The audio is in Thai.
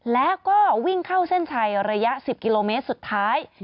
แล้วก็วิ่งเข้าเส้นชัยระยะ๑๐กิโลเมตรสุดท้าย